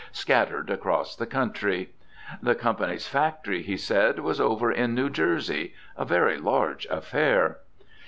scattered across the country. The "Co's." "factory," he said, was over in New Jersey, a very large affair.